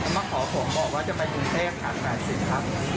มาขอผมบอกว่าจะไปกรุงเทพครับ๘๐ครับ